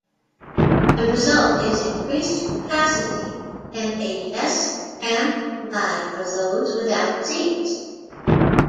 The result is increased capacity and a less cramped ride for those without seats.